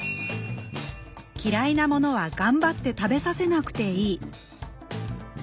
嫌いなものは頑張って食べさせなくていい。